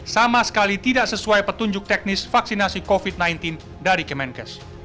sama sekali tidak sesuai petunjuk teknis vaksinasi covid sembilan belas dari kemenkes